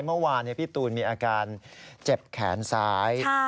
เมื่อวานพี่ตูนมีอาการเจ็บแขนซ้าย